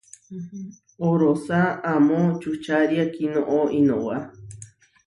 Orosá amo čučária kinoʼó inowá.